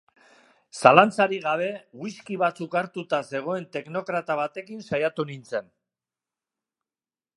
Zalantzarik gabe whiski batzuk hartuta zegoen teknokrata batekin saiatu nintzen.